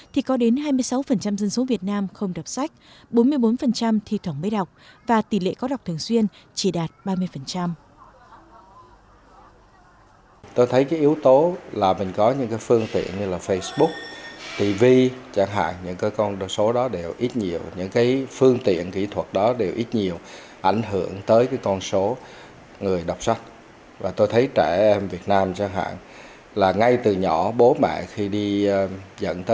thì có đến hai mươi sáu dân số việt nam không đọc sách bốn mươi bốn thi thỏng mới đọc và tỷ lệ có đọc thường xuyên chỉ đạt ba mươi